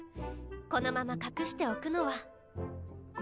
このまま隠しておくのは。